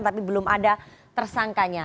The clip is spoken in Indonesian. tapi belum ada tersangkanya